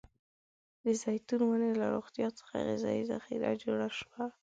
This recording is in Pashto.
د زیتون ونې له روغتيا څخه غذايي ذخیره جوړه شوه.